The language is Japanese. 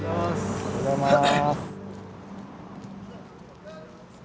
おはようございます。